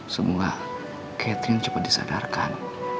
semoga catherine cepet disadarkan